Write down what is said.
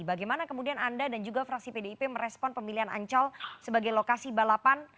bagaimana kemudian anda dan juga fraksi pdip merespon pemilihan ancol sebagai lokasi balapan